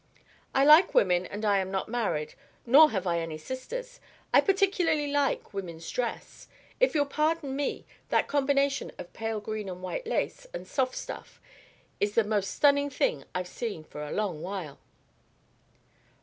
"I like women and I am not married, nor have I any sisters. I particularly like woman's dress. If you'll pardon me, that combination of pale green and white lace and soft stuff is the most stunning thing I've seen for a long while."